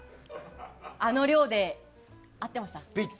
あの量で合っていました？